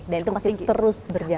dan itu masih terus berjalan